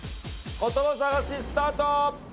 言葉探しスタート！